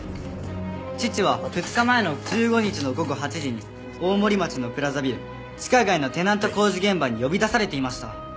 父は２日前の１５日の午後８時に大森町のプラザビル地下街のテナント工事現場に呼び出されていました。